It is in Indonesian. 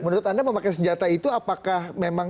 menurut anda memakai senjata itu apakah memang